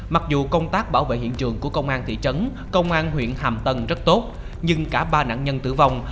mặc dù công tác bảo vệ hiện trường của công an thị trấn công an huyện hàm tân rất tốt nhưng cả ba nạn nhân tử vong